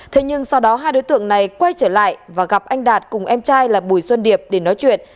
thế nhưng sau đó hai đối tượng này quay trở lại và gặp anh đạt cùng em trai là bùi xuân điệp để nói chuyện